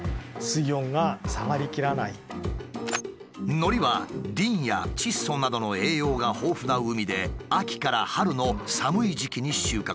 のりはリンや窒素などの栄養が豊富な海で秋から春の寒い時期に収穫される。